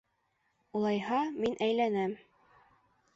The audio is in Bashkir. Улайһа, мин әйләнәм.